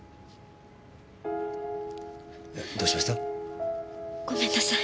どうしました？